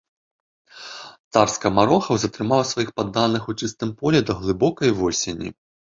Цар скамарохаў затрымаў сваіх падданых у чыстым полі да глыбокай восені.